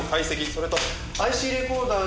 それとＩＣレコーダーの。